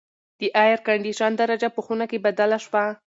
د اېرکنډیشن درجه په خونه کې بدله شوه.